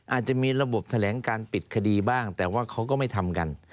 อาจจะมีระบบแถลงการปิดคดีบ้างแต่ว่าเขาก็ไม่ทำกัน